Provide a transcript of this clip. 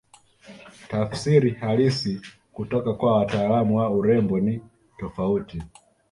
Tafsiri halisi kutoka kwa wataalamu wa urembo ni tofauti